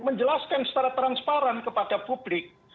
menjelaskan secara transparan kepada publik